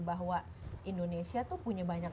bahwa indonesia tuh punya banyak